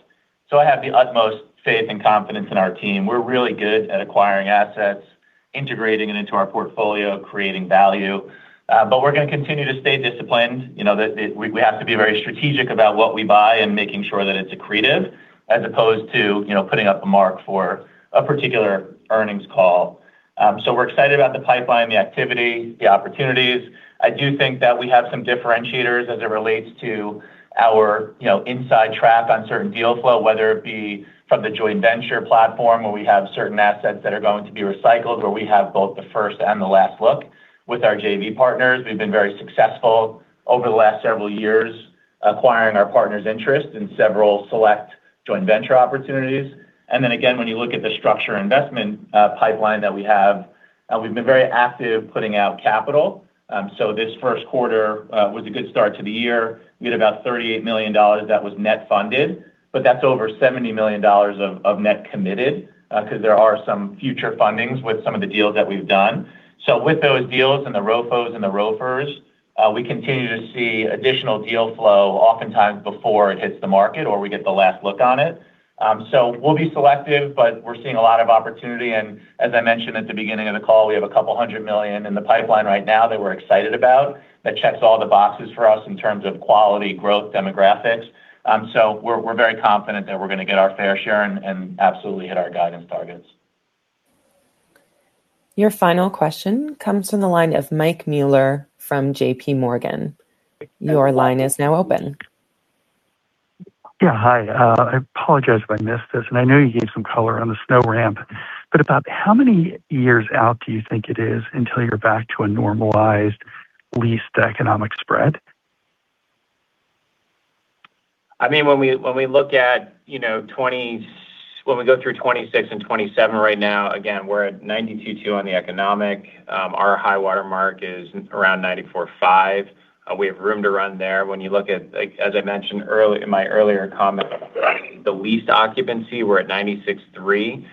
I have the utmost faith and confidence in our team. We're really good at acquiring assets, integrating it into our portfolio, creating value. But we're gonna continue to stay disciplined. We have to be very strategic about what we buy and making sure that it's accretive as opposed to putting up a mark for a particular earnings call. We're excited about the pipeline, the activity, the opportunities. I do think that we have some differentiators as it relates to our inside track on certain deal flow, whether it be from the joint venture platform where we have certain assets that are going to be recycled, where we have both the first and the last look. With our JV partners, we've been very successful over the last several years acquiring our partners' interest in several select joint venture opportunities. Then again, when you look at the structure investment, pipeline that we have, we've been very active putting out capital. This first quarter was a good start to the year. We had about $38 million that was net funded, but that's over $70 million of net committed, 'cause there are some future fundings with some of the deals that we've done. With those deals and the ROFOs and the ROFRs, we continue to see additional deal flow oftentimes before it hits the market or we get the last look on it. We'll be selective, but we're seeing a lot of opportunity. As I mentioned at the beginning of the call, we have $200 million in the pipeline right now that we're excited about that checks all the boxes for us in terms of quality, growth, demographics. We're very confident that we're gonna get our fair share and absolutely hit our guidance targets. Your final question comes from the line of Michael Mueller from JPMorgan. Your line is now open. Yeah, hi. I apologize if I missed this, and I know you gave some color on the SNO ramp, but about how many years out do you think it is until you're back to a normalized lease to economic spread? I mean, when we look at when we go through 2026 and 2027 right now, again, we're at 92.2% on the economic. Our high water mark is around 94.5%. We have room to run there. When you look at, like, as I mentioned in my earlier comment, the lease occupancy, we're at 96.3%.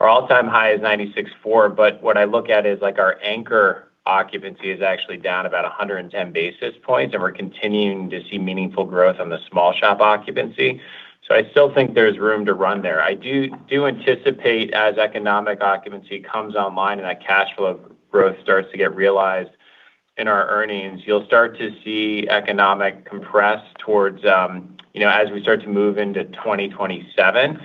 Our all-time high is 96.4%. What I look at is, like, our anchor occupancy is actually down about 110 basis points, and we're continuing to see meaningful growth on the small shop occupancy. I still think there's room to run there. I do anticipate as economic occupancy comes online and that cash flow growth starts to get realized in our earnings, you'll start to see economic compress towards as we start to move into 2027.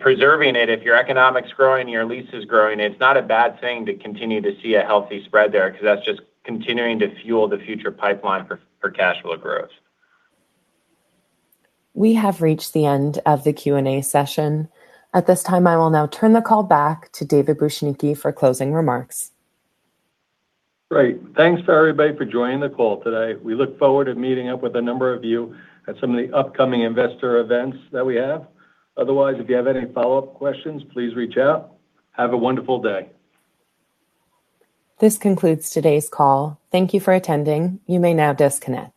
Preserving it, if your economics growing, your lease is growing, it's not a bad thing to continue to see a healthy spread there because that's just continuing to fuel the future pipeline for cash flow growth. We have reached the end of the Q&A session. At this time, I will now turn the call back to David Bujnicki for closing remarks. Great. Thanks to everybody for joining the call today. We look forward to meeting up with a number of you at some of the upcoming investor events that we have. Otherwise, if you have any follow-up questions, please reach out. Have a wonderful day. This concludes today's call. Thank you for attending. You may now disconnect.